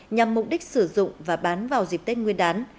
nhằm mục đích sử dụng và bán vào dịp tết nguyên đán